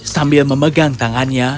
sambil memegang tangannya